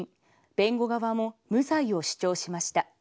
弁護側も無罪を主張しました。